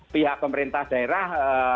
pihak pemerintah daerah